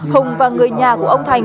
hùng và người nhà của ông thành